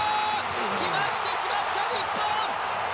決まってしまった、日本。